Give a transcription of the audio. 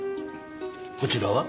こちらは？